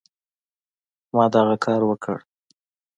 ما دغه کار وکړ.